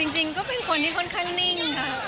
จริงก็เป็นคนที่ค่อนข้างนิ่งค่ะ